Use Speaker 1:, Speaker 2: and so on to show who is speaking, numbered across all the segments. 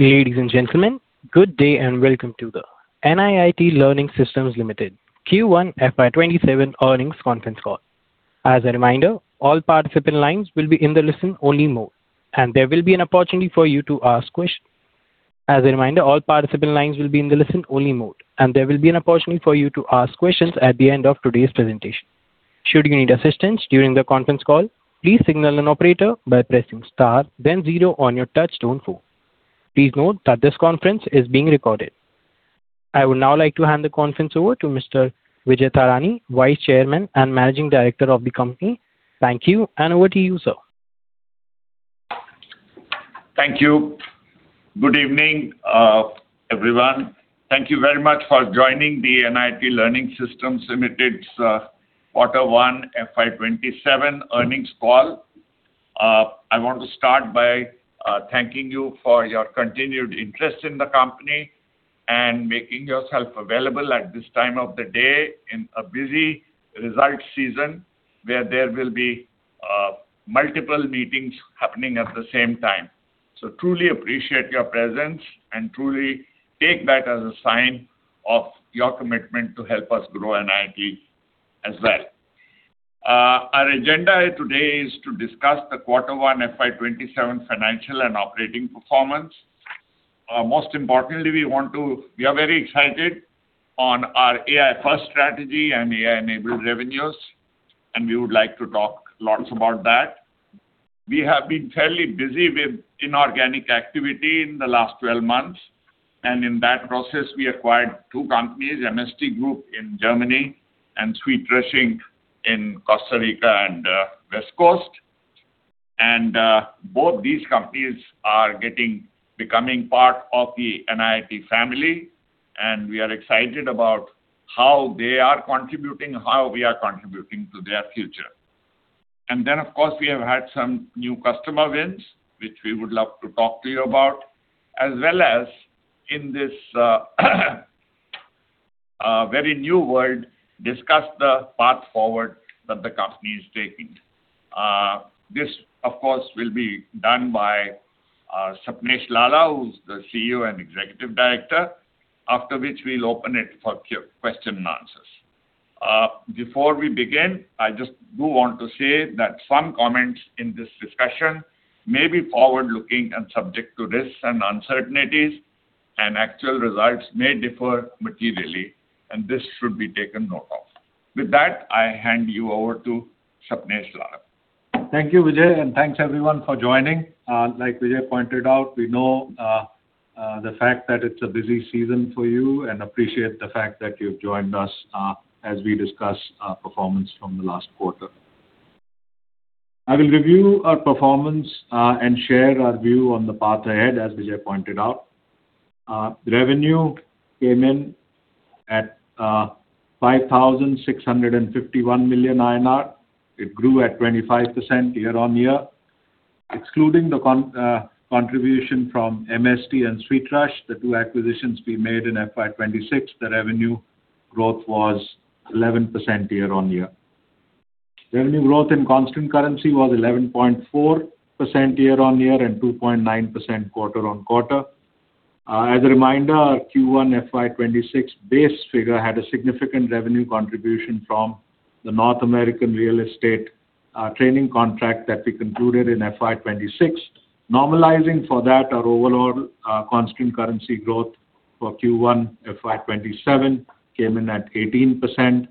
Speaker 1: Ladies and gentlemen, good day and welcome to the NIIT Learning Systems Limited Q1 FY 2027 Earnings Conference Call. As a reminder, all participant lines will be in the listen-only mode, and there will be an opportunity for you to ask questions at the end of today's presentation. Should you need assistance during the conference call, please signal an operator by pressing *0 on your touch-tone phone. Please note that this conference is being recorded. I would now like to hand the conference over to Mr. Vijay Thadani, Vice Chairman and Managing Director of the company. Thank you, and over to you, sir.
Speaker 2: Thank you. Good evening, everyone. Thank you very much for joining the NIIT Learning Systems Limited's Q1 FY 2027 Earnings Call. I want to start by thanking you for your continued interest in the company and making yourself available at this time of the day in a busy results season where there will be multiple meetings happening at the same time. Truly appreciate your presence and truly take that as a sign of your commitment to help us grow NIIT as well. Our agenda today is to discuss the Q1 FY 2027 financial and operating performance. Most importantly, we are very excited on our AI-first strategy and AI-enabled revenues, and we would like to talk lots about that. We have been fairly busy with inorganic activity in the last 12 months, and in that process, we acquired two companies, MST Group in Germany and SweetRush, Inc. in Costa Rica and West Coast. Both these companies are becoming part of the NIIT family, and we are excited about how they are contributing, how we are contributing to their future. Then, of course, we have had some new customer wins, which we would love to talk to you about, as well as in this very new world, discuss the path forward that the company is taking. This, of course, will be done by Sapnesh Lalla, who is the CEO and Executive Director, after which we will open it for question and answers. Before we begin, I just do want to say that some comments in this discussion may be forward-looking and subject to risks and uncertainties, and actual results may differ materially. This should be taken note of. With that, I hand you over to Sapnesh Lalla.
Speaker 3: Thank you, Vijay, and thanks everyone for joining. Like Vijay pointed out, we know the fact that it is a busy season for you and appreciate the fact that you have joined us as we discuss our performance from the last quarter. I will review our performance, and share our view on the path ahead, as Vijay pointed out. Revenue came in at 5,651 million INR. It grew at 25% year-on-year. Excluding the contribution from MST and SweetRush, the two acquisitions we made in FY 2026, the revenue growth was 11% year-on-year. Revenue growth in constant currency was 11.4% year-on-year and 2.9% quarter-on-quarter. As a reminder, our Q1 FY 2026 base figure had a significant revenue contribution from the North American real estate training contract that we concluded in FY 2026. Normalizing for that, our overall constant currency growth for Q1 FY 2027 came in at 18%,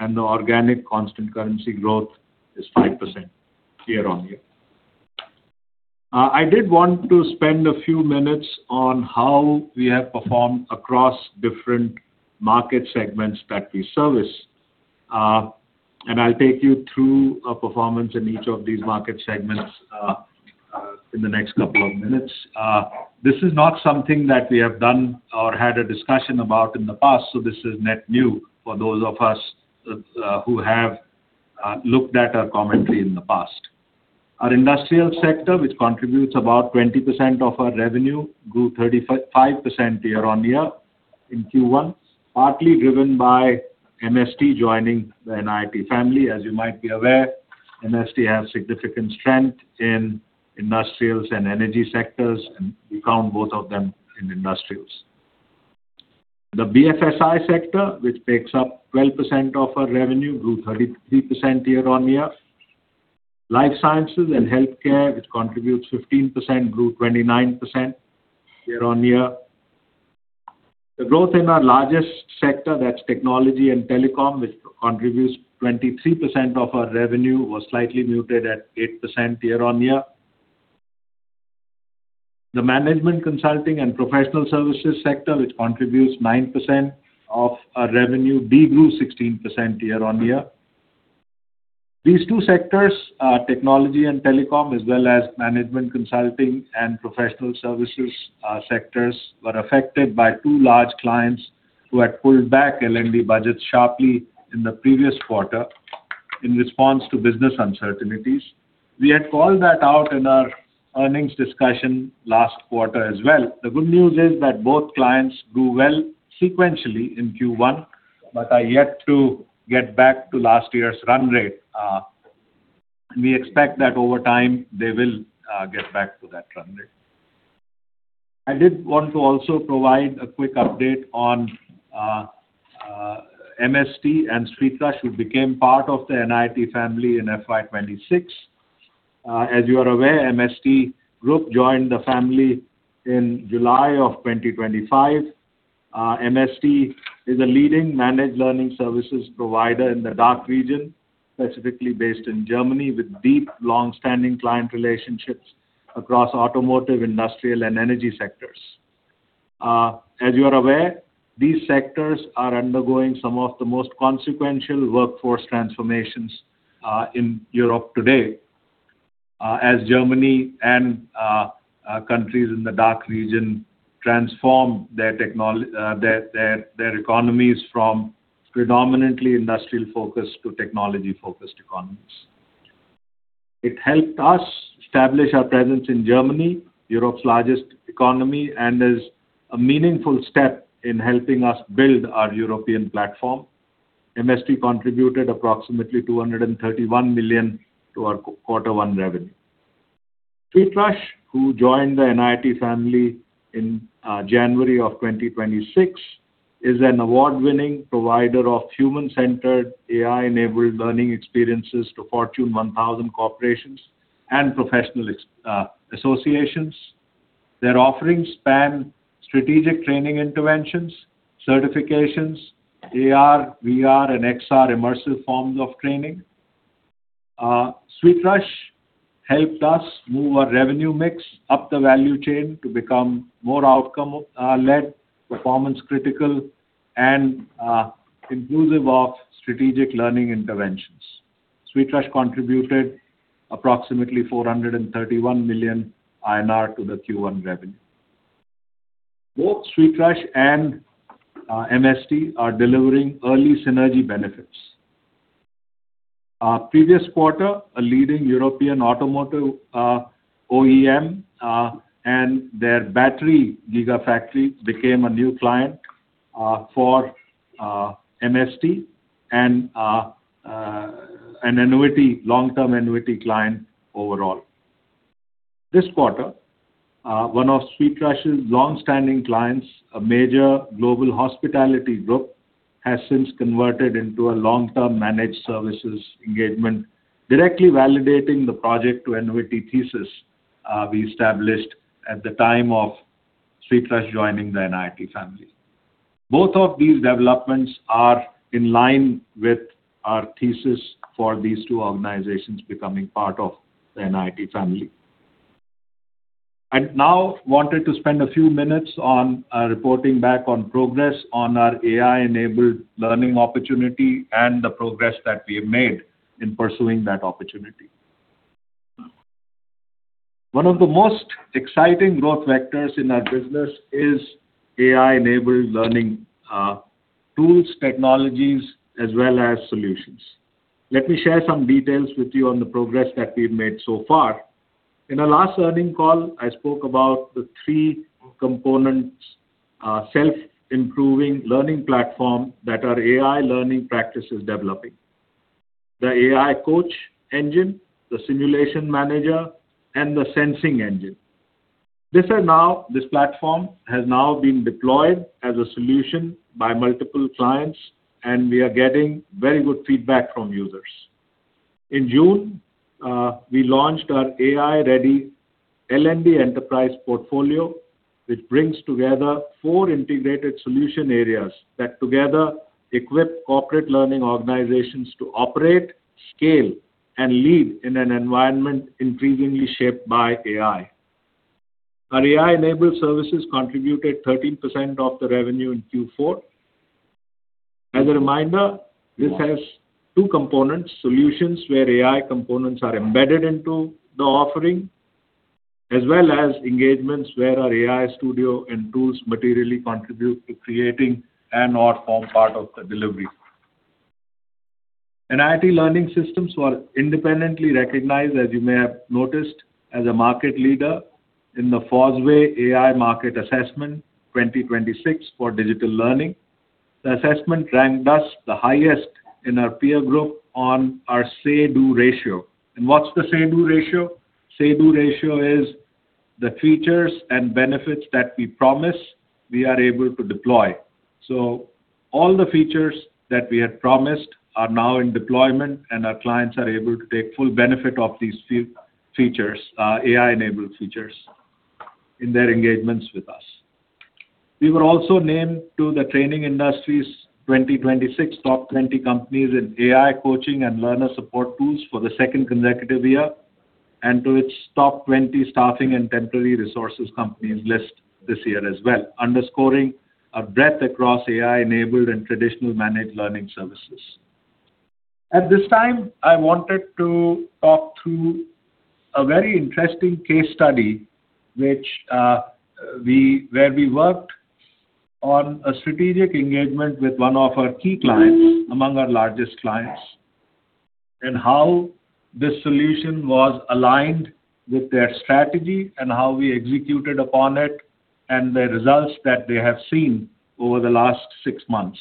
Speaker 3: and the organic constant currency growth is 5% year-on-year. I did want to spend a few minutes on how we have performed across different market segments that we service. I will take you through our performance in each of these market segments in the next couple of minutes. This is not something that we have done or had a discussion about in the past, so this is net new for those of us who have looked at our commentary in the past. Our industrial sector, which contributes about 20% of our revenue, grew 35% year-on-year in Q1, partly driven by MST joining the NIIT family. As you might be aware, MST has significant strength in industrials and energy sectors, and we count both of them in industrials. The BFSI sector, which makes up 12% of our revenue, grew 33% year-on-year. Life sciences and healthcare, which contributes 15%, grew 29% year-on-year. The growth in our largest sector, that's technology and telecom, which contributes 23% of our revenue, was slightly muted at 8% year-on-year. The management consulting and professional services sector, which contributes 9% of our revenue, de-grew 16% year-on-year. These two sectors are technology and telecom, as well as management consulting and professional services sectors, were affected by two large clients who had pulled back L&D budgets sharply in the previous quarter in response to business uncertainties. We had called that out in our earnings discussion last quarter as well. The good news is that both clients grew well sequentially in Q1 but are yet to get back to last year's run rate. We expect that over time they will get back to that run rate. I did want to also provide a quick update on MST and SweetRush, who became part of the NIIT family in FY 2026. As you are aware, MST Group joined the family in July of 2025. MST is a leading Managed Training Services provider in the DACH region, specifically based in Germany, with deep, long-standing client relationships across automotive, industrial, and energy sectors. As you are aware, these sectors are undergoing some of the most consequential workforce transformations in Europe today, as Germany and countries in the DACH region transform their economies from predominantly industrial-focused to technology-focused economies. It helped us establish our presence in Germany, Europe's largest economy, and is a meaningful step in helping us build our European platform. MST contributed approximately 231 million to our quarter one revenue. SweetRush, who joined the NIIT family in January of 2026, is an award-winning provider of human-centered AI-enabled learning experiences to Fortune 1000 corporations and professional associations. Their offerings span strategic training interventions, certifications, AR, VR, and XR immersive forms of training. SweetRush helped us move our revenue mix up the value chain to become more outcome-led, performance critical, and inclusive of strategic learning interventions. SweetRush contributed approximately 431 million INR to the Q1 revenue. Both SweetRush and MST are delivering early synergy benefits. Our previous quarter, a leading European automotive OEM, and their battery gigafactory became a new client for MST and an annuity long-term annuity client overall. This quarter, one of SweetRush's long-standing clients, a major global hospitality group, has since converted into a long-term managed services engagement, directly validating the project to annuity thesis we established at the time of SweetRush joining the NIIT family. Both of these developments are in line with our thesis for these two organizations becoming part of the NIIT family. I now wanted to spend a few minutes on reporting back on progress on our AI-enabled learning opportunity and the progress that we have made in pursuing that opportunity. One of the most exciting growth vectors in our business is AI-enabled learning tools, technologies, as well as solutions. Let me share some details with you on the progress that we've made so far. In our last earning call, I spoke about the three components, our self-improving learning platform that our AI learning practice is developing. The AI Coach, the Simulation Manager, and the Signal Engine. This platform has now been deployed as a solution by multiple clients, and we are getting very good feedback from users. In June, we launched our AI-Ready L&D Enterprise portfolio, which brings together four integrated solution areas that together equip corporate learning organizations to operate, scale, and lead in an environment increasingly shaped by AI. Our AI-enabled services contributed 13% of the revenue in Q4. As a reminder, this has two components, solutions where AI components are embedded into the offering, as well as engagements where our AI studio and tools materially contribute to creating and/or form part of the delivery. NIIT Learning Systems was independently recognized, as you may have noticed, as a market leader in the Fosway AI Market Assessment 2026 for digital learning. The assessment ranked us the highest in our peer group on our say-do ratio. What's the say-do ratio? Say-do ratio is the features and benefits that we promise we are able to deploy. All the features that we had promised are now in deployment, and our clients are able to take full benefit of these AI-enabled features in their engagements with us. We were also named to the Training Industry's 2026 Top 20 companies in AI Coaching and Learner Support Tools for the second consecutive year, and to its Top 20 Staffing and Temporary Resources Companies list this year as well, underscoring a breadth across AI-enabled and traditional Managed Training Services. At this time, I wanted to talk through a very interesting case study, where we worked on a strategic engagement with one of our key clients, among our largest clients, and how this solution was aligned with their strategy and how we executed upon it, and the results that they have seen over the last six months.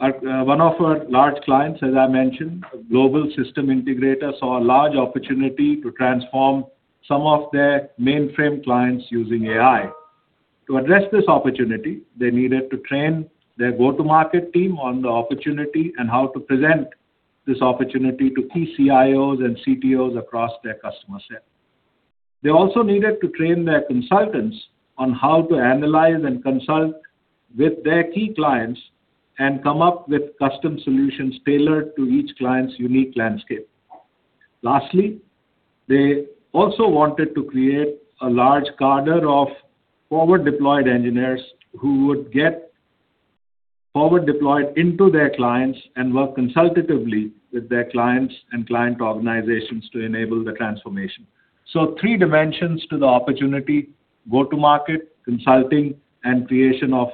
Speaker 3: One of our large clients, as I mentioned, a global system integrator, saw a large opportunity to transform some of their mainframe clients using AI. To address this opportunity, they needed to train their go-to-market team on the opportunity and how to present this opportunity to key CIOs and CTOs across their customer set. They also needed to train their consultants on how to analyze and consult with their key clients and come up with custom solutions tailored to each client's unique landscape. Lastly, they also wanted to create a large cadre of forward-deployed engineers who would get forward-deployed into their clients and work consultatively with their clients and client organizations to enable the transformation. Three dimensions to the opportunity, go to market, consulting, and creation of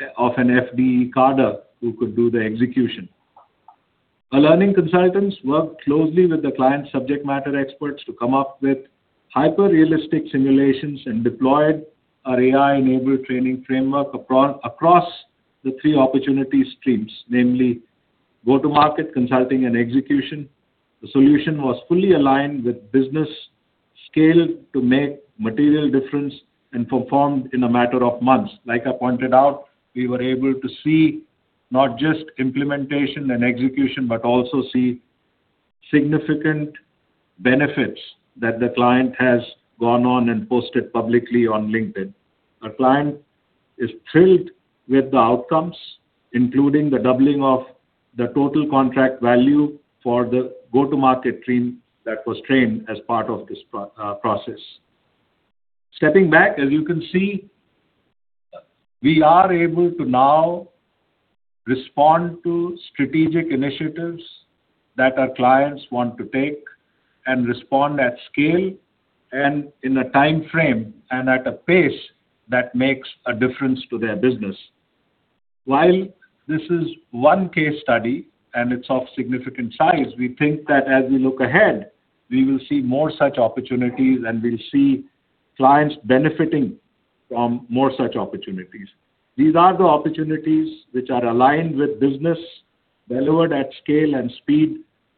Speaker 3: an FDE cadre who could do the execution. Our learning consultants worked closely with the client subject matter experts to come up with hyper-realistic simulations and deployed our AI-enabled training framework across the three opportunity streams, namely go-to-market, consulting, and execution. The solution was fully aligned with business scale to make material difference and performed in a matter of months. Like I pointed out, we were able to see not just implementation and execution, but also see significant benefits that the client has gone on and posted publicly on LinkedIn. Our client is thrilled with the outcomes, including the doubling of the total contract value for the go-to-market team that was trained as part of this process. Stepping back, as you can see, we are able to now respond to strategic initiatives that our clients want to take and respond at scale, and in a timeframe and at a pace that makes a difference to their business. While this is one case study, and it's of significant size, we think that as we look ahead, we will see more such opportunities, and we'll see clients benefiting from more such opportunities. These are the opportunities which are aligned with business, delivered at scale and speed,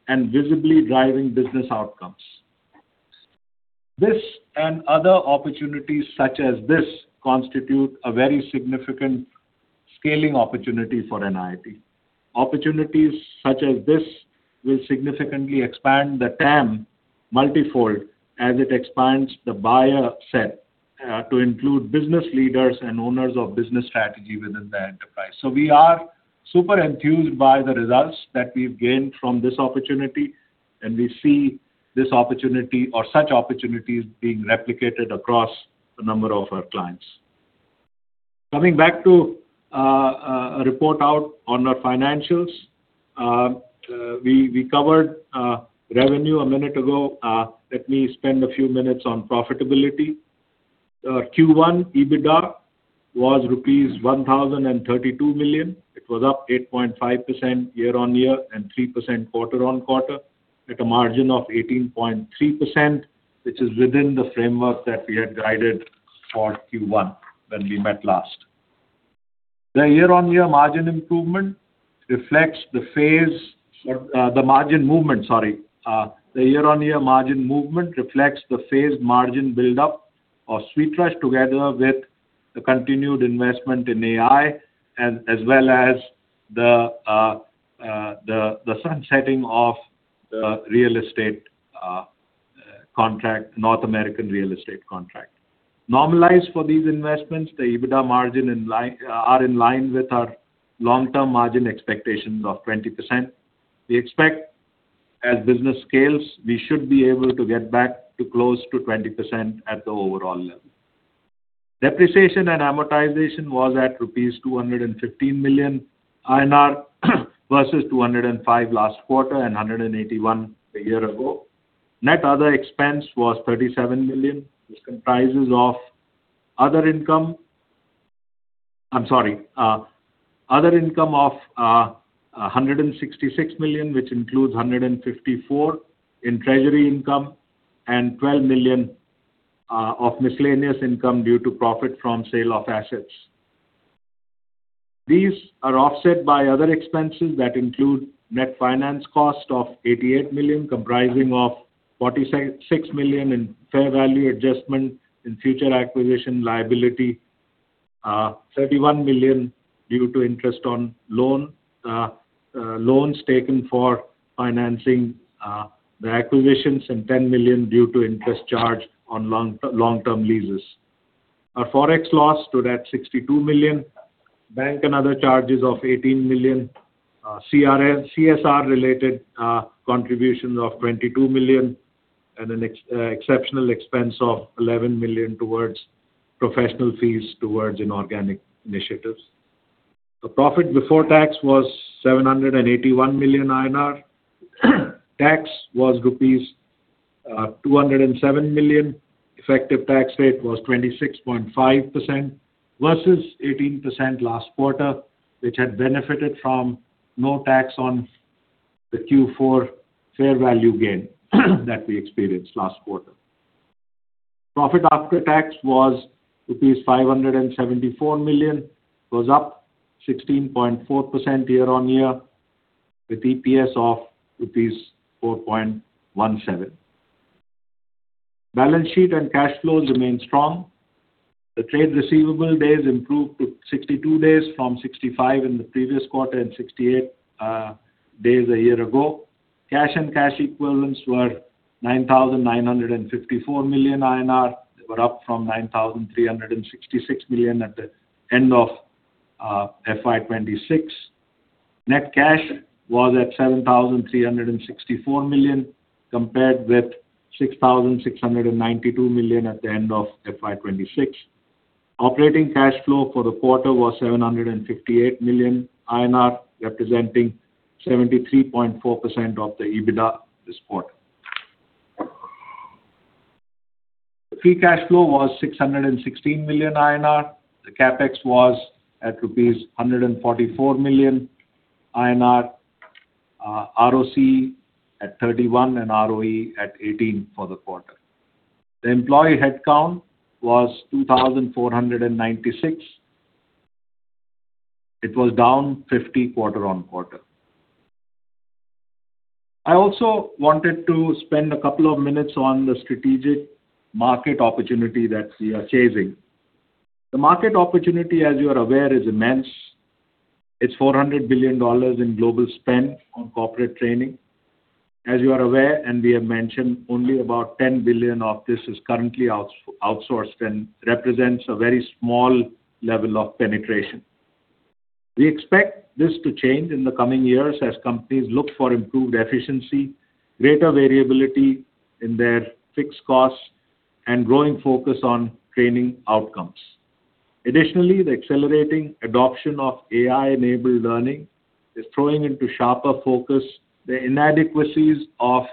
Speaker 3: and visibly driving business outcomes. This and other opportunities such as this constitute a very significant scaling opportunity for NIIT. Opportunities such as this will significantly expand the TAM multifold as it expands the buyer set to include business leaders and owners of business strategy within their enterprise. We are super enthused by the results that we've gained from this opportunity, and we see this opportunity or such opportunities being replicated across a number of our clients. Coming back to a report out on our financials. We covered revenue a minute ago. Let me spend a few minutes on profitability. Q1 EBITDA was rupees 1,032 million. It was up 8.5% year-on-year and 3% quarter-on-quarter at a margin of 18.3%, which is within the framework that we had guided for Q1 when we met last. The year-on-year margin movement reflects the phased margin build-up of SweetRush together with the continued investment in AI, as well as the sunsetting of the North American real estate contract. Normalized for these investments, the EBITDA margin are in line with our long-term margin expectations of 20%. We expect as business scales, we should be able to get back to close to 20% at the overall level. Depreciation and amortization was at rupees 215 million versus 205 million last quarter and 181 million a year ago. Net other expense was 37 million, which comprises of other income. Other income of 166 million, which includes 154 million in treasury income and 12 million of miscellaneous income due to profit from sale of assets. These are offset by other expenses that include net finance cost of 88 million, comprising of 46 million in fair value adjustment in future acquisition liability, 31 million due to interest on loans taken for financing the acquisitions, and 10 million due to interest charged on long-term leases. Our Forex loss stood at 62 million, bank and other charges of 18 million, CSR-related contributions of 22 million, and an exceptional expense of 11 million towards professional fees towards inorganic initiatives. The profit before tax was 781 million INR. Tax was rupees 207 million. Effective tax rate was 26.5% versus 18% last quarter, which had benefited from no tax on the Q4 fair value gain that we experienced last quarter. Profit after tax was rupees 574 million. It was up 16.4% year-on-year with EPS of rupees 4.17. Balance sheet and cash flows remain strong. The trade receivable days improved to 62 days from 65 in the previous quarter and 68 days a year ago. Cash and cash equivalents were 9,954 million INR. They were up from 9,366 million at the end of FY 2026. Net cash was at 7,364 million, compared with 6,692 million at the end of FY 2026. Operating cash flow for the quarter was 758 million INR, representing 73.4% of the EBITDA this quarter. Free cash flow was 616 million INR. The CapEx was at rupees 144 million, ROCE at 31 and ROE at 18 for the quarter. The employee headcount was 2,496. It was down 50 quarter-on-quarter. I also wanted to spend a couple of minutes on the strategic market opportunity that we are chasing. The market opportunity, as you are aware, is immense. It's INR 400 billion in global spend on corporate training. As you are aware, we have mentioned, only about 10 billion of this is currently outsourced and represents a very small level of penetration. We expect this to change in the coming years as companies look for improved efficiency, greater variability in their fixed costs, and growing focus on training outcomes. Additionally, the accelerating adoption of AI-enabled learning is throwing into sharper focus the inadequacies of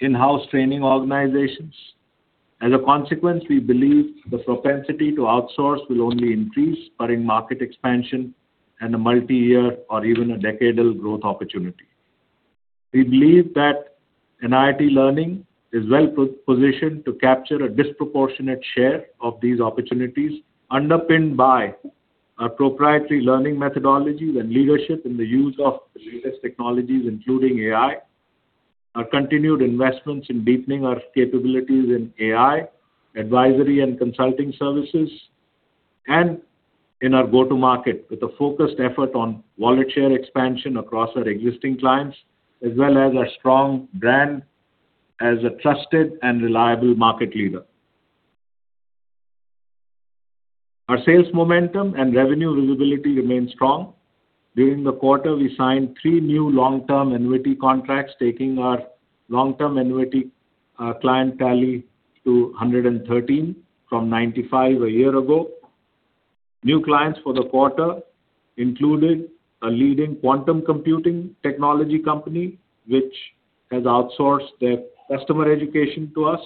Speaker 3: in-house training organizations. As a consequence, we believe the propensity to outsource will only increase, spurring market expansion and a multi-year or even a decadal growth opportunity. We believe that NIIT Learning is well-positioned to capture a disproportionate share of these opportunities, underpinned by our proprietary learning methodologies and leadership in the use of the latest technologies, including AI, our continued investments in deepening our capabilities in AI, advisory and consulting services, and in our go-to-market with a focused effort on wallet share expansion across our existing clients, as well as a strong brand as a trusted and reliable market leader. Our sales momentum and revenue visibility remain strong. During the quarter, we signed three new long-term annuity contracts, taking our long-term annuity client tally to 113 from 95 a year ago. New clients for the quarter included a leading quantum computing technology company, which has outsourced their customer education to us,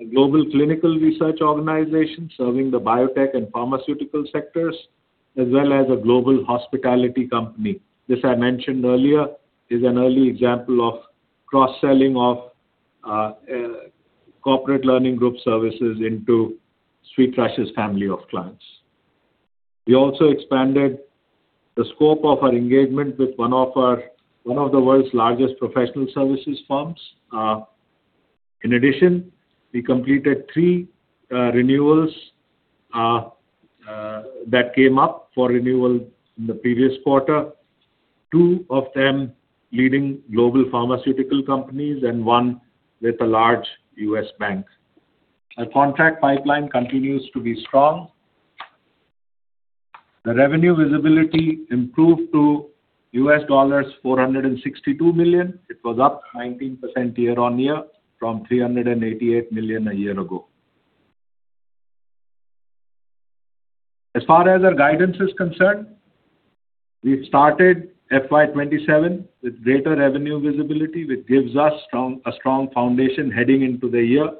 Speaker 3: a global clinical research organization serving the biotech and pharmaceutical sectors, as well as a global hospitality company. This, I mentioned earlier, is an early example of cross-selling of corporate learning group services into SweetRush's family of clients. We also expanded the scope of our engagement with one of the world's largest professional services firms. In addition, we completed three renewals that came up for renewal in the previous quarter, two of them leading global pharmaceutical companies and one with a large U.S. bank. Our contract pipeline continues to be strong. The revenue visibility improved to $462 million. It was up 19% year-on-year from $388 million a year ago. As far as our guidance is concerned, we've started FY 2027 with greater revenue visibility, which gives us a strong foundation heading into the year.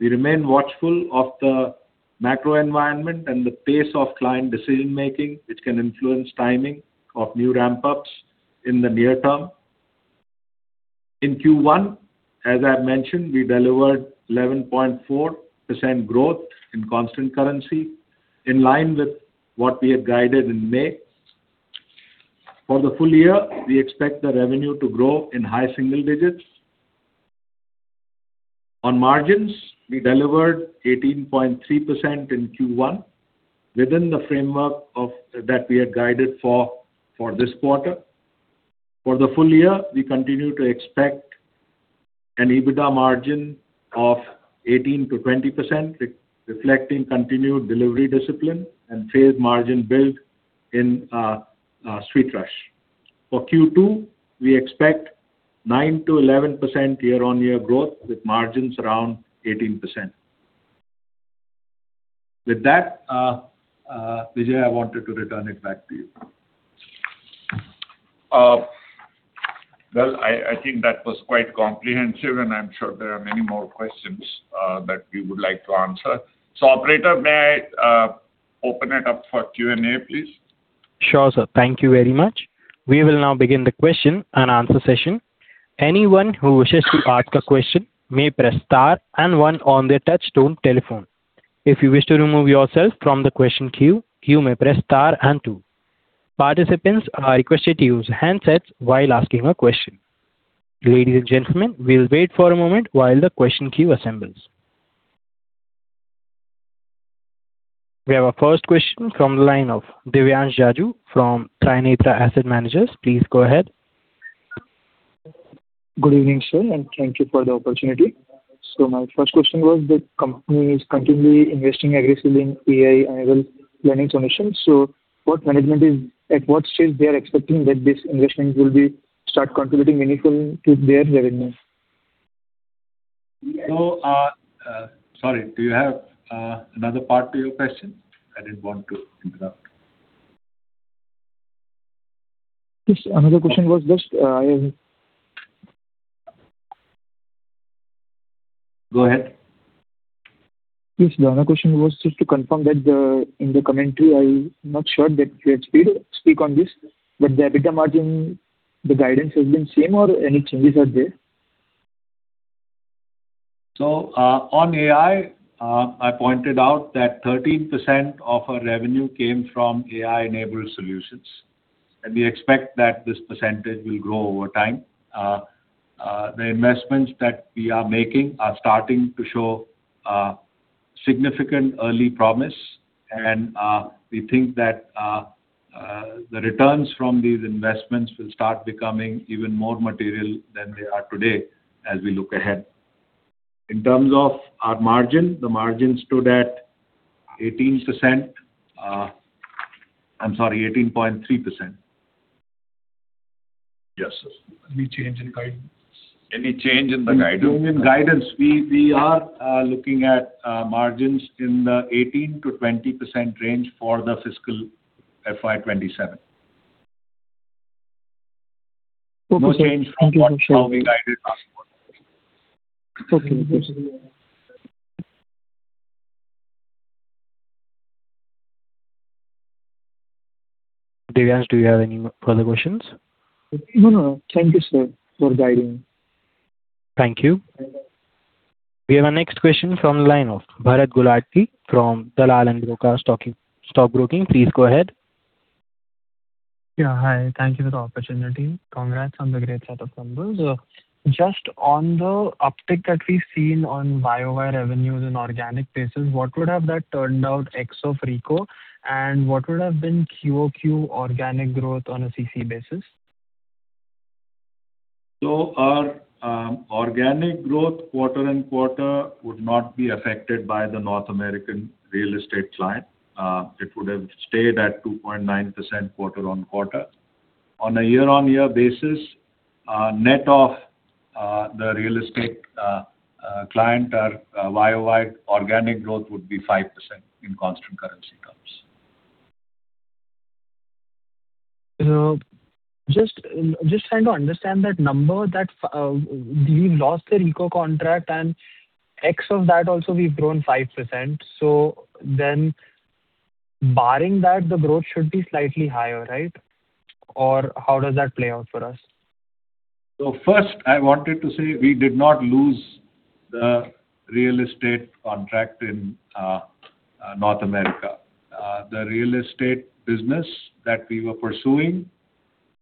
Speaker 3: We remain watchful of the macro environment and the pace of client decision-making, which can influence timing of new ramp-ups in the near term. In Q1, as I mentioned, we delivered 11.4% growth in constant currency, in line with what we had guided in May. For the full year, we expect the revenue to grow in high single digits. On margins, we delivered 18.3% in Q1, within the framework that we had guided for this quarter. For the full year, we continue to expect an EBITDA margin of 18%-20%, reflecting continued delivery discipline and phased margin build in SweetRush. For Q2, we expect 9%-11% year-on-year growth with margins around 18%. With that, Vijay, I wanted to return it back to you.
Speaker 2: Well, I think that was quite comprehensive, and I'm sure there are many more questions that we would like to answer. Operator, may I open it up for Q&A, please?
Speaker 1: Sure, sir. Thank you very much. We will now begin the question-and-answer session. Anyone who wishes to ask a question may press *1 on their touchtone telephone. If you wish to remove yourself from the question queue, you may press *2. Participants are requested to use handsets while asking a question. Ladies and gentlemen, we'll wait for a moment while the question queue assembles. We have our first question from the line of Divyansh Jaju from Trinetra Asset Managers. Please go ahead.
Speaker 4: Good evening, sir, and thank you for the opportunity. My first question was that company is continually investing aggressively in AI-enabled learning solutions. At what stage they are expecting that these investments will start contributing meaningful to their revenue?
Speaker 3: Sorry, do you have another part to your question? I didn't want to interrupt.
Speaker 4: Yes. Another question was.
Speaker 3: Go ahead.
Speaker 4: Yes. The other question was just to confirm that in the commentary, I'm not sure that you had speak on this, but the EBITDA margin, the guidance has been same or any changes are there?
Speaker 3: On AI, I pointed out that 13% of our revenue came from AI-enabled solutions, and we expect that this percentage will grow over time. The investments that we are making are starting to show significant early promise and, we think that the returns from these investments will start becoming even more material than they are today as we look ahead. In terms of our margin, the margin stood at 18%. I'm sorry, 18.3%.
Speaker 4: Yes. Any change in guidance?
Speaker 3: Any change in the guidance? We are looking at margins in the 18%-20% range for the fiscal FY 2027.
Speaker 4: Okay, sir. Thank you for sharing.
Speaker 3: No change from how we guided last quarter.
Speaker 4: Okay.
Speaker 1: Divyansh, do you have any further questions?
Speaker 4: No. Thank you, sir, for guiding.
Speaker 1: Thank you. We have our next question from the line of Bharat Gulati from Dalal & Broacha Stock Broking. Please go ahead.
Speaker 5: Yeah. Hi. Thank you for the opportunity. Congrats on the great set of numbers. Just on the uptick that we've seen on year-over-year revenues in organic basis, what would have that turned out ex of RECO and what would have been quarter-over-quarter organic growth on a CC basis?
Speaker 3: Our organic growth quarter-on-quarter would not be affected by the North American real estate client. It would have stayed at 2.9% quarter-on-quarter. On a year-on-year basis, net of the real estate client, our year-over-year organic growth would be 5% in constant currency terms.
Speaker 5: Just trying to understand that number that we've lost the RECO contract and ex of that also we've grown 5%. Barring that, the growth should be slightly higher, right? How does that play out for us?
Speaker 3: First, I wanted to say we did not lose the real estate contract in North America. The real estate business that we were pursuing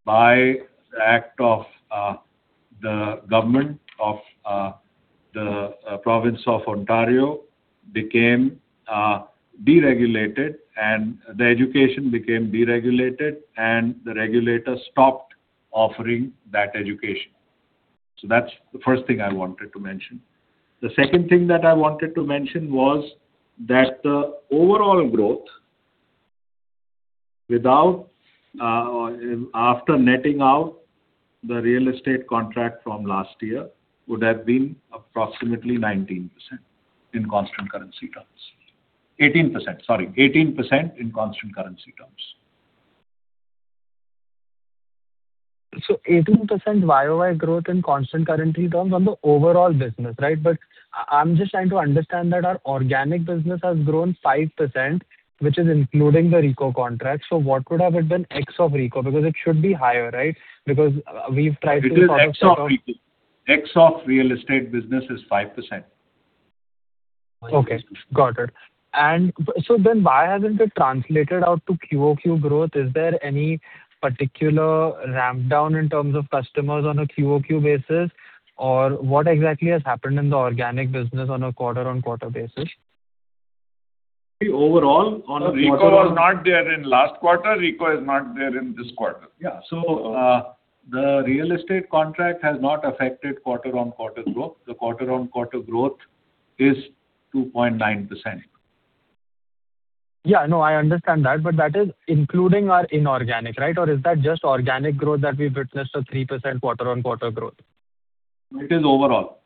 Speaker 3: by the act of the government of the province of Ontario became deregulated and the education became deregulated and the regulator stopped offering that education. That's the first thing I wanted to mention. The second thing that I wanted to mention was that the overall growth after netting out the real estate contract from last year would have been approximately 19% in constant currency terms. 18%, sorry. 18% in constant currency terms.
Speaker 5: 18% year-over-year growth in constant currency terms on the overall business, right? I'm just trying to understand that our organic business has grown 5%, which is including the RECO contract. What would have it been ex of RECO? It should be higher, right?
Speaker 3: It is ex of RECO. Ex of real estate business is 5%.
Speaker 5: Okay, got it. Why hasn't it translated out to quarter-over-quarter growth? Is there any particular ramp down in terms of customers on a quarter-over-quarter basis, or what exactly has happened in the organic business on a quarter-over-quarter basis?
Speaker 3: Overall on a
Speaker 2: RECO was not there in last quarter. RECO is not there in this quarter.
Speaker 3: Yeah. The real estate contract has not affected quarter-on-quarter growth. The quarter-on-quarter growth is 2.9%.
Speaker 5: Yeah, I know, I understand that. That is including our inorganic, right? Is that just organic growth that we've witnessed a 3% quarter-on-quarter growth?
Speaker 3: It is overall.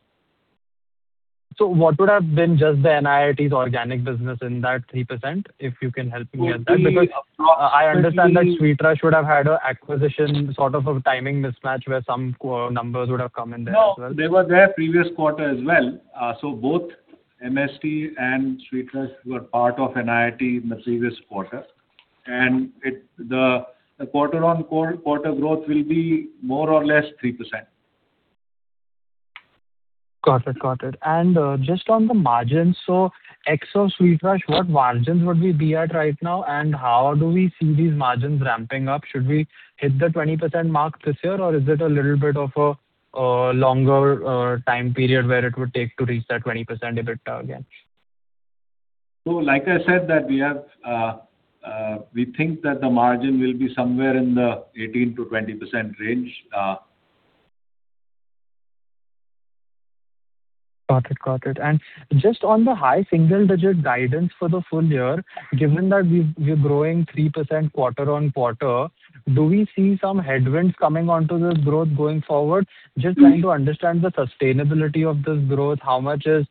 Speaker 5: What would have been just the NIIT's organic business in that 3%, if you can help me with that? I understand that SweetRush should have had an acquisition sort of a timing mismatch where some numbers would have come in there as well.
Speaker 3: No. They were there previous quarter as well. Both MST and SweetRush were part of NIIT in the previous quarter. The quarter-over-quarter growth will be more or less 3%.
Speaker 5: Got it. Just on the margins, ex of SweetRush, what margins would we be at right now, and how do we see these margins ramping up? Should we hit the 20% mark this year or is it a little bit of a longer time period where it would take to reach that 20% EBITDA again?
Speaker 3: Like I said, we think that the margin will be somewhere in the 18%-20% range.
Speaker 5: Got it. Just on the high single-digit guidance for the full year, given that we're growing 3% quarter-on-quarter, do we see some headwinds coming onto this growth going forward? Just trying to understand the sustainability of this growth. Have we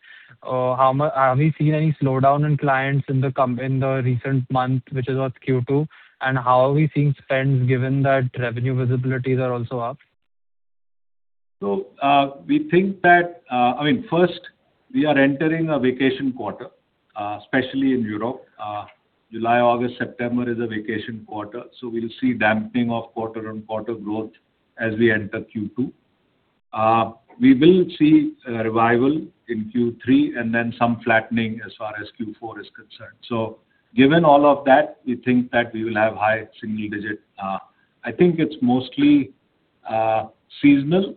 Speaker 5: seen any slowdown in clients in the recent month, which is Q2, and how are we seeing spends given that revenue visibilities are also up?
Speaker 3: First, we are entering a vacation quarter, especially in Europe. July, August, September is a vacation quarter, we'll see dampening of quarter-on-quarter growth as we enter Q2. We will see a revival in Q3 and then some flattening as far as Q4 is concerned. Given all of that, we think that we will have high single digit. I think it's mostly seasonal.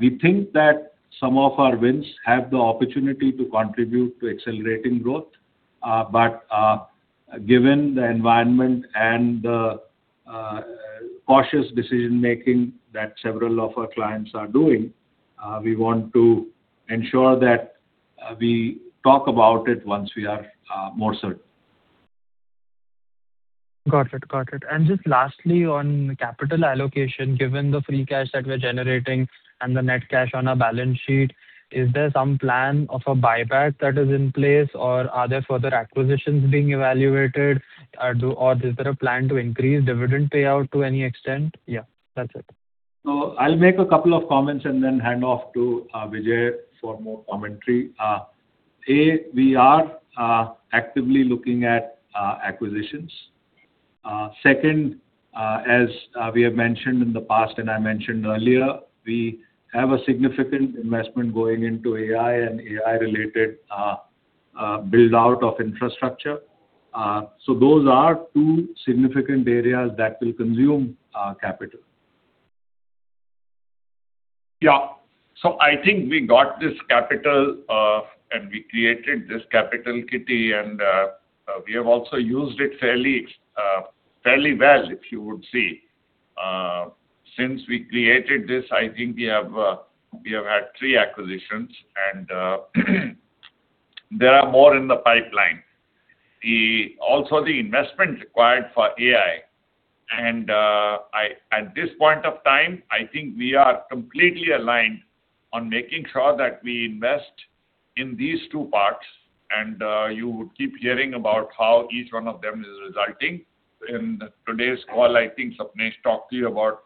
Speaker 3: We think that some of our wins have the opportunity to contribute to accelerating growth. Given the environment and the cautious decision-making that several of our clients are doing, we want to ensure that we talk about it once we are more certain.
Speaker 5: Got it. Just lastly, on capital allocation, given the free cash that we're generating and the net cash on our balance sheet, is there some plan of a buyback that is in place or are there further acquisitions being evaluated? Or is there a plan to increase dividend payout to any extent? Yeah, that's it.
Speaker 3: I'll make a couple of comments and then hand off to Vijay for more commentary. A, we are actively looking at acquisitions. Second, as we have mentioned in the past and I mentioned earlier, we have a significant investment going into AI and AI-related build-out of infrastructure. Those are two significant areas that will consume our capital.
Speaker 2: I think we got this capital, and we created this capital kitty, and we have also used it fairly well, if you would see. Since we created this, I think we have had three acquisitions and there are more in the pipeline. The investment required for AI. At this point of time, I think we are completely aligned on making sure that we invest in these two parts, and you would keep hearing about how each one of them is resulting. In today's call, I think Sapnesh talked to you about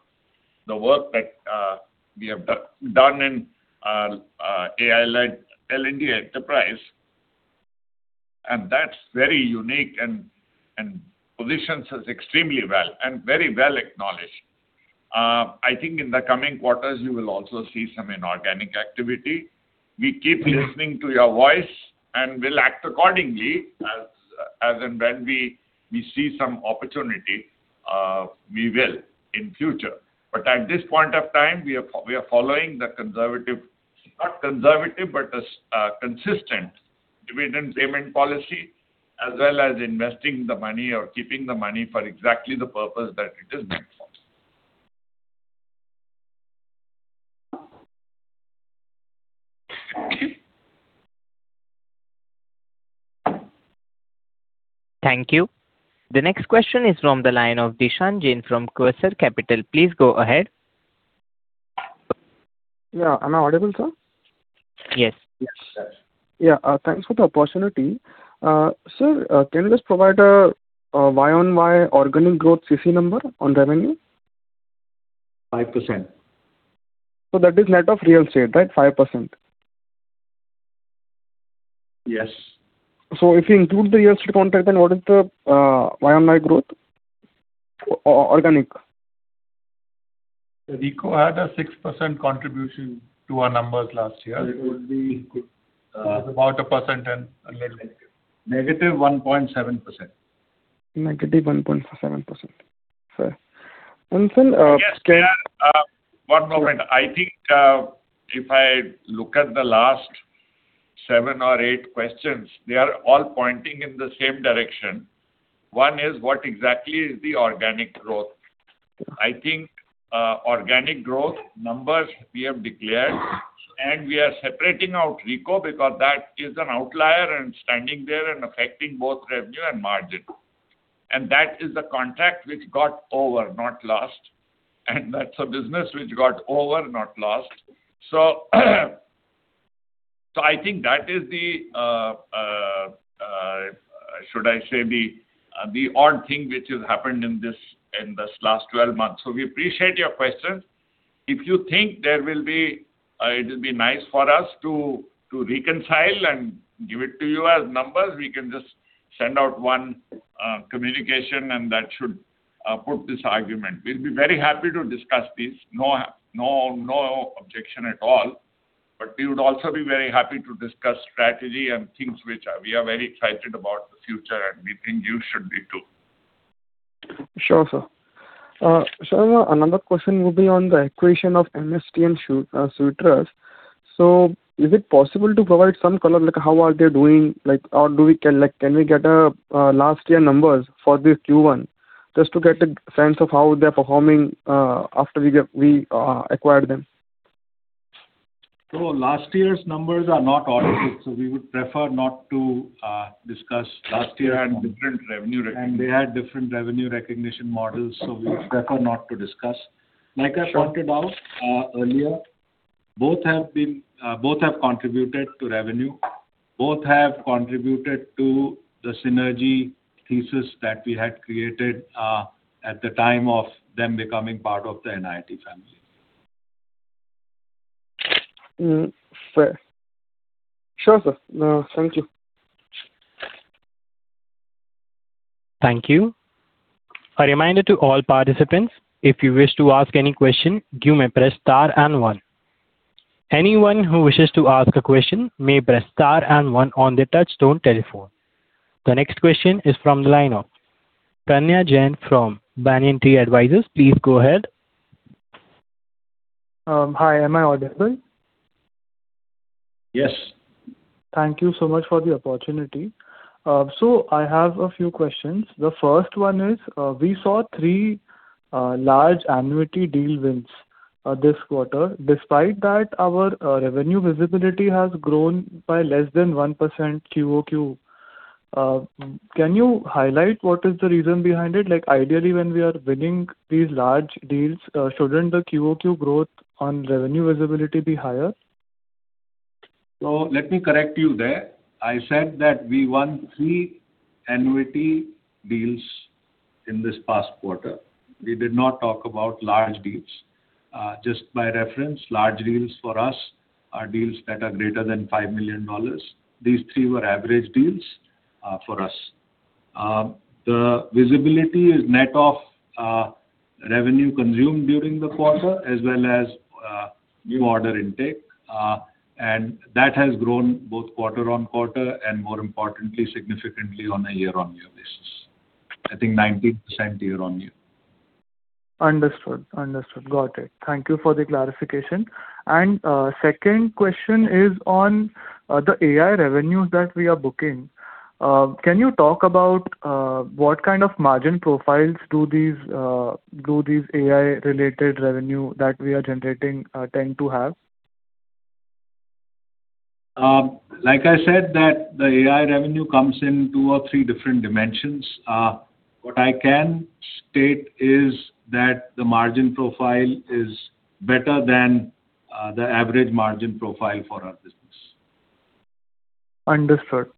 Speaker 2: the work that we have done in AI-led L&D enterprise. That's very unique and positions us extremely well, and very well acknowledged. I think in the coming quarters you will also see some inorganic activity. We keep listening to your voice, and we'll act accordingly as and when we see some opportunity, we will in future. At this point of time, we are following the not conservative, but a consistent dividend payment policy as well as investing the money or keeping the money for exactly the purpose that it is meant for.
Speaker 1: Thank you. The next question is from the line of Dishan Jain from Cursor Capital. Please go ahead.
Speaker 6: Yeah. Am I audible, sir?
Speaker 1: Yes.
Speaker 6: Yes, sir. Thanks for the opportunity. Sir, can you just provide a year-on-year organic growth CC number on revenue?
Speaker 3: 5%.
Speaker 6: That is net of real estate, right? 5%.
Speaker 3: Yes.
Speaker 6: If you include the real estate contract, then what is the year-on-year growth organic?
Speaker 3: RECO had a 6% contribution to our numbers last year.
Speaker 2: It would be. About a % negative. -1.7%.
Speaker 6: -1.7%. Sir.
Speaker 2: Yes. One moment. I think, if I look at the last seven or eight questions, they are all pointing in the same direction. One is, what exactly is the organic growth? I think organic growth numbers we have declared. We are separating out RECO because that is an outlier and standing there and affecting both revenue and margin. That is the contract which got over, not lost. That's a business which got over, not lost. I think that is the should I say the odd thing which has happened in this last 12 months.
Speaker 3: We appreciate your questions. If you think it will be nice for us to reconcile and give it to you as numbers, we can just send out one communication and that should put this argument. We'll be very happy to discuss this. No objection at all, but we would also be very happy to discuss strategy and things which we are very excited about the future, and we think you should be too.
Speaker 6: Sure, sir. Sir, another question would be on the acquisition of MST and SweetRush. Is it possible to provide some color on how are they doing? Can we get last year numbers for this Q1, just to get a sense of how they're performing after we acquired them?
Speaker 2: Last year's numbers are not audited, we would prefer not to discuss last year.
Speaker 3: Different revenue recognition.
Speaker 2: They had different revenue recognition models, we would prefer not to discuss. Like I pointed out earlier, both have contributed to revenue, both have contributed to the synergy thesis that we had created at the time of them becoming part of the NIIT family.
Speaker 6: Fair. Sure, sir. Thank you.
Speaker 1: Thank you. A reminder to all participants, if you wish to ask any question, you may press *1. Anyone who wishes to ask a question may press star and 1 on their touchtone telephone. The next question is from the line of Pranaya Jain from Banyan Tree Advisors. Please go ahead.
Speaker 7: Hi, am I audible?
Speaker 3: Yes.
Speaker 7: Thank you so much for the opportunity. I have a few questions. The first one is, we saw three large annuity deal wins this quarter. Despite that, our revenue visibility has grown by less than 1% quarter-on-quarter. Can you highlight what is the reason behind it? Ideally, when we are winning these large deals, shouldn't the quarter-on-quarter growth on revenue visibility be higher?
Speaker 3: Let me correct you there. I said that we won three annuity deals in this past quarter. We did not talk about large deals. Just by reference, large deals for us are deals that are greater than $5 million. These three were average deals for us. The visibility is net of revenue consumed during the quarter, as well as new order intake. That has grown both quarter-over-quarter and more importantly, significantly on a year-on-year basis. I think 19% year-on-year.
Speaker 7: Understood. Got it. Thank you for the clarification. Second question is on the AI revenue that we are booking. Can you talk about what kind of margin profiles do these AI related revenue that we are generating tend to have?
Speaker 3: Like I said that the AI revenue comes in two or three different dimensions. What I can state is that the margin profile is better than the average margin profile for our business.
Speaker 7: Understood.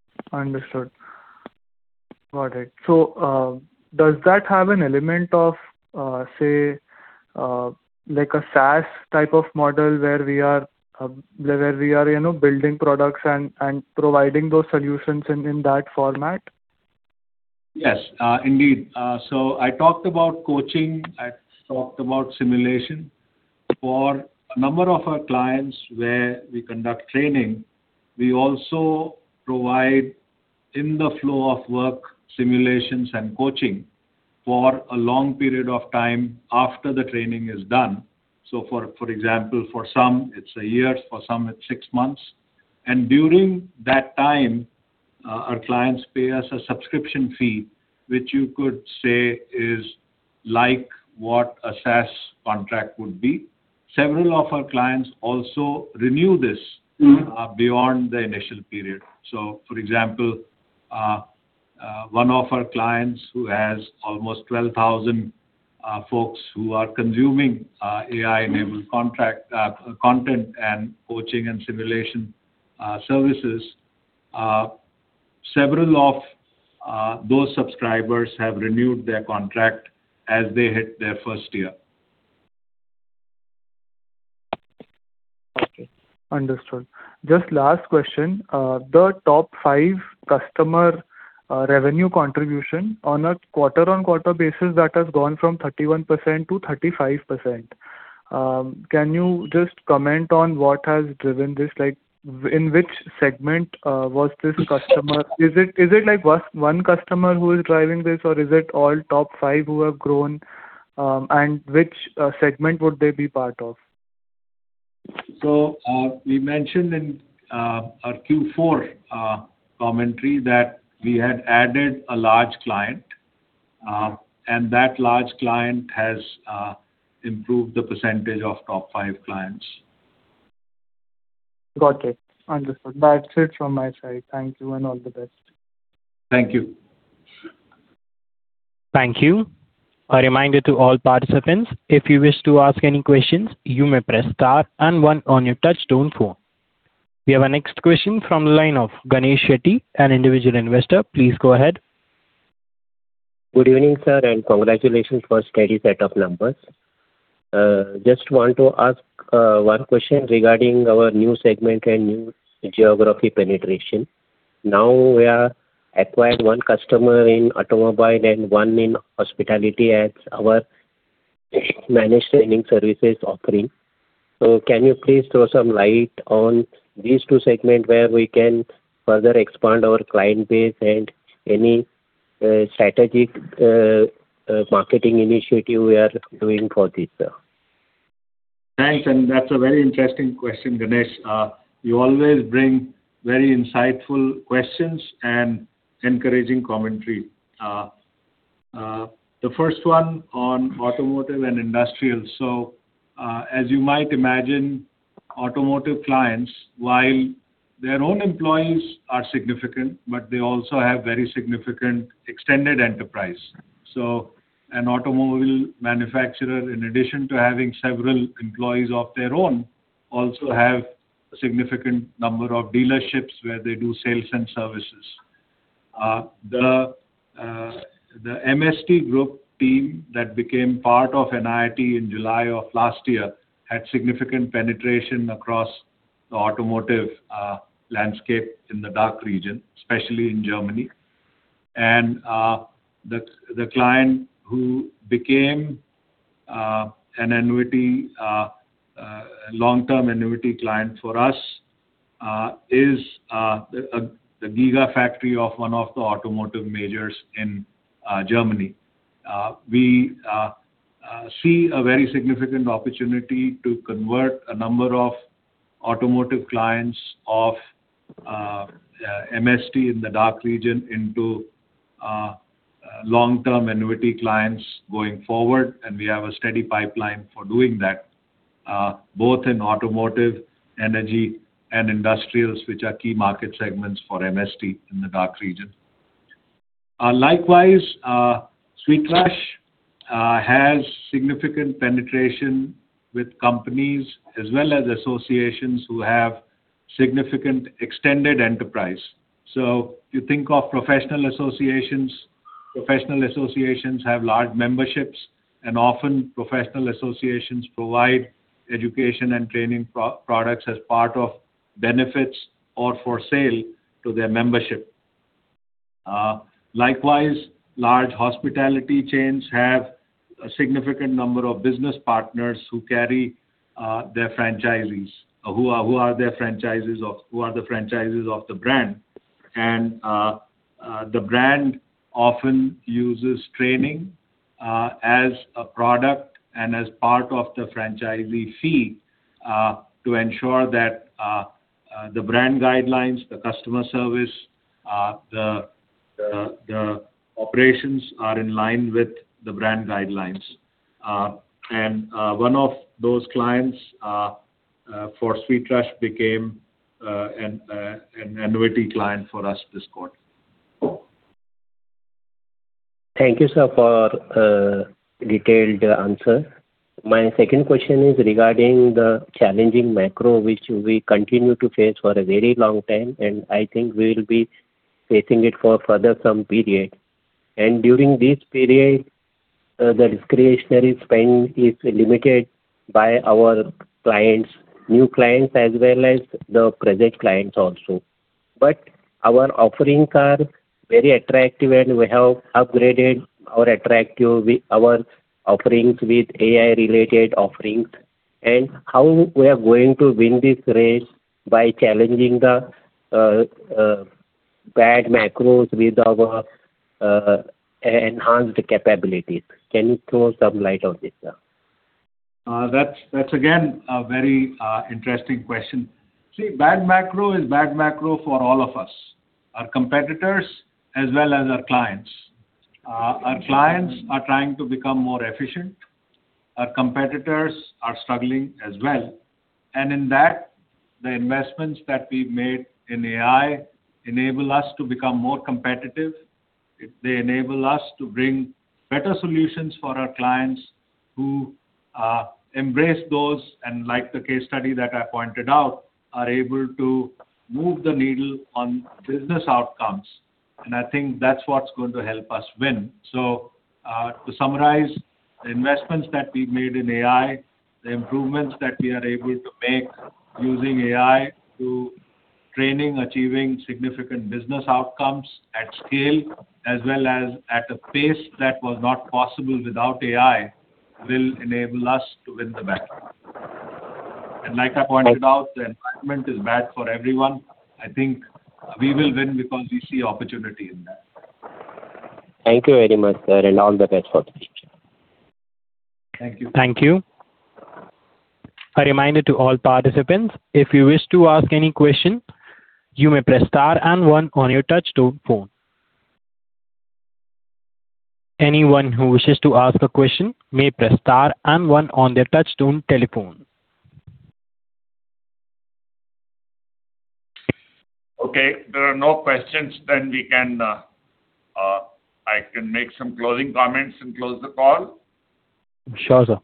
Speaker 7: Got it. Does that have an element of, say, like a SaaS type of model where we are building products and providing those solutions in that format?
Speaker 3: Yes. Indeed. I talked about coaching, I talked about simulation. For a number of our clients where we conduct training, we also provide in the flow of work simulations and coaching for a long period of time after the training is done. For example, for some it's a year, for some it's six months. During that time, our clients pay us a subscription fee, which you could say is like what a SaaS contract would be. Several of our clients also renew this beyond the initial period. For example, one of our clients who has almost 12,000 folks who are consuming AI-enabled content and coaching and simulation services, several of those subscribers have renewed their contract as they hit their first year.
Speaker 7: Okay, understood. Just last question. The top 5 customer revenue contribution on a quarter-on-quarter basis, that has gone from 31%-35%. Can you just comment on what has driven this, in which segment was this customer? Is it one customer who is driving this or is it all top five who have grown? Which segment would they be part of?
Speaker 3: We mentioned in our Q4 commentary that we had added a large client, that large client has improved the percentage of top 5 clients.
Speaker 7: Got it. Understood. That's it from my side. Thank you and all the best.
Speaker 3: Thank you.
Speaker 1: Thank you. A reminder to all participants, if you wish to ask any questions, you may press *1 on your touch tone phone. We have our next question from the line of Ganesh Shetty, an individual investor. Please go ahead.
Speaker 8: Good evening, sir, and congratulations for a steady set of numbers. Just want to ask one question regarding our new segment and new geography penetration. Now we are acquiring one customer in automobile and one in hospitality as our Managed Training Services offering. Can you please throw some light on these two segments where we can further expand our client base and any strategic marketing initiative we are doing for this, sir?
Speaker 3: Thanks, and that's a very interesting question, Ganesh. You always bring very insightful questions and encouraging commentary. The first one on automotive and industrial. As you might imagine, automotive clients, while their own employees are significant, they also have very significant extended enterprise. An automobile manufacturer, in addition to having several employees of their own, also have a significant number of dealerships where they do sales and services. The MST Group team that became part of NIIT in July of last year had significant penetration across the automotive landscape in the DACH region, especially in Germany. The client who became a long-term annuity client for us is the gigafactory of one of the automotive majors in Germany. We see a very significant opportunity to convert a number of automotive clients of MST in the DACH region into long-term annuity clients going forward. We have a steady pipeline for doing that, both in automotive, energy, and industrials, which are key market segments for MST in the DACH region. Likewise, SweetRush has significant penetration with companies as well as associations who have significant extended enterprise. You think of professional associations, professional associations have large memberships, and often professional associations provide education and training products as part of benefits or for sale to their membership. Likewise, large hospitality chains have a significant number of business partners who carry their franchisees, who are the franchises of the brand. The brand often uses training as a product and as part of the franchisee fee to ensure that the brand guidelines, the customer service, the operations are in line with the brand guidelines. One of those clients for SweetRush became an annuity client for us this quarter.
Speaker 8: Thank you, sir, for a detailed answer. My second question is regarding the challenging macro, which we continue to face for a very long time. I think we will be facing it for further some period. During this period, the discretionary spend is limited by our clients, new clients, as well as the present clients also. Our offerings are very attractive, and we have upgraded our offerings with AI-related offerings. How we are going to win this race by challenging the bad macros with our enhanced capabilities. Can you throw some light on this, sir?
Speaker 3: That's again, a very interesting question. See, bad macro is bad macro for all of us, our competitors as well as our clients. Our clients are trying to become more efficient. Our competitors are struggling as well. In that, the investments that we've made in AI enable us to become more competitive. They enable us to bring better solutions for our clients who embrace those and like the case study that I pointed out, are able to move the needle on business outcomes. I think that's what's going to help us win. To summarize, the investments that we've made in AI, the improvements that we are able to make using AI through training, achieving significant business outcomes at scale, as well as at a pace that was not possible without AI, will enable us to win the battle. Like I pointed out, the environment is bad for everyone. I think we will win because we see opportunity in that.
Speaker 8: Thank you very much, sir. All the best for the future.
Speaker 1: Thank you. A reminder to all participants, if you wish to ask any question, you may press *1 on your touch tone phone. Anyone who wishes to ask a question may press *1 on their touch tone telephone.
Speaker 2: Okay. If there are no questions, then I can make some closing comments and close the call.
Speaker 1: Sure, sir.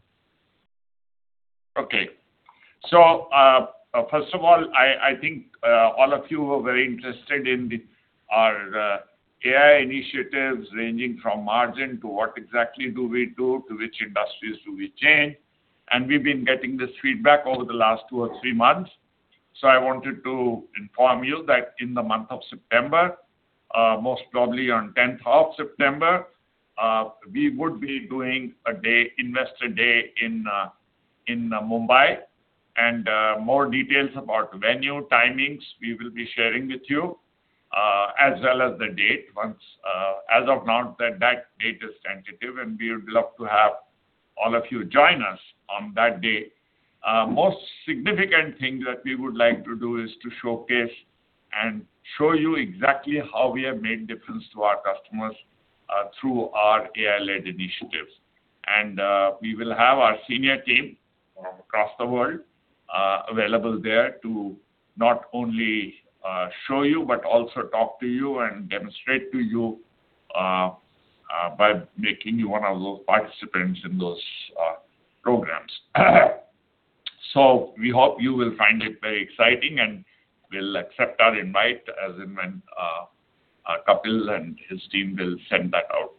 Speaker 2: Okay. First of all, I think all of you were very interested in our AI initiatives, ranging from margin to what exactly do we do, to which industries do we change, and we've been getting this feedback over the last two or three months. I wanted to inform you that in the month of September, most probably on 10th of September, we would be doing Investor Day in Mumbai, and more details about venue, timings, we will be sharing with you, as well as the date. As of now, that date is sensitive, and we would love to have all of you join us on that day. Most significant thing that we would like to do is to showcase and show you exactly how we have made difference to our customers through our AI-led initiatives. We will have our senior team from across the world available there to not only show you, but also talk to you and demonstrate to you by making you one of those participants in those programs. We hope you will find it very exciting and will accept our invite, as in when Kapil and his team will send that out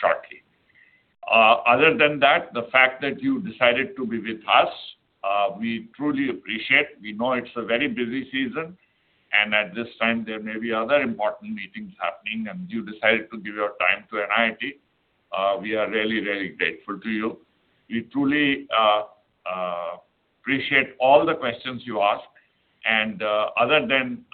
Speaker 2: shortly. Other than that, the fact that you decided to be with us, we truly appreciate. We know it's a very busy season, and at this time there may be other important meetings happening, and you decided to give your time to NIIT. We are really, really grateful to you. We truly appreciate all the questions you ask, other than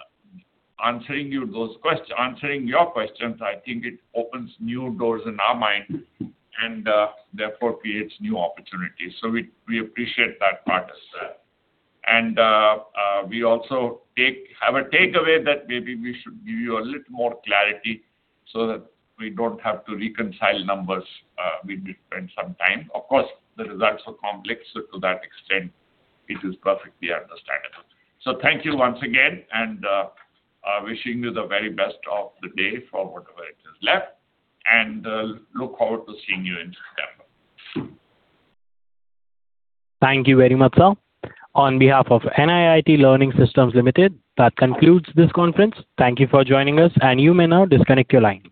Speaker 2: answering your questions, I think it opens new doors in our mind, and therefore creates new opportunities. We appreciate that part. We also have a takeaway that maybe we should give you a little more clarity so that we don't have to reconcile numbers with different sometime. Of course, the results are complex, to that extent, it is perfectly understandable. Thank you once again, and wishing you the very best of the day for whatever it is left, and look forward to seeing you in September.
Speaker 1: Thank you very much, sir. On behalf of NIIT Learning Systems Limited, that concludes this conference. Thank you for joining us, and you may now disconnect your line.